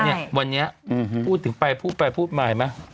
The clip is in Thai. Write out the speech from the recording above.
ใช่วันนี้พูดถึงไปพูดไปพูดใหม่ไหม